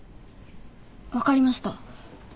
分かりました。